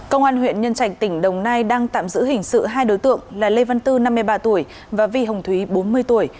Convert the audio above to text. công an huyện nhân trạch tỉnh đồng nai đang tạm giữ hình sự hai đối tượng là lê văn tư năm mươi ba tuổi và vi hồng thúy bốn mươi tuổi